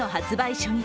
初日